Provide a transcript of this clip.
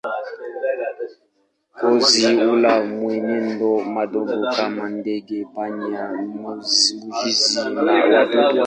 Kozi hula mawindo madogo kama ndege, panya, mijusi na wadudu.